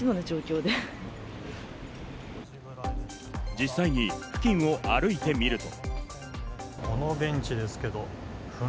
実際に付近を歩いてみると。